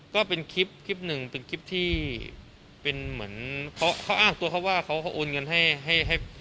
ก็เป็นคลิป๑ที่เป็นเหมือนเขาอ้างตัวเขาว่าเขาโอนเงินให้น้องชายผม